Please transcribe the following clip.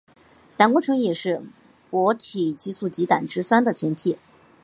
胆固醇也是甾体激素及胆汁酸的前体。